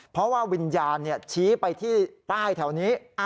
เพราะว่าวิญญาณชี้ไปที่ป้ายแถวนี้